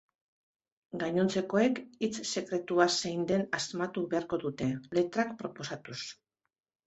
Gainontzekoek hitz sekretua zein den asmatu beharko dute, letrak proposatuz.